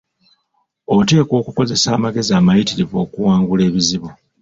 Oteekwa okukoseza amagezi amayitirivu okuwangula ebizibu.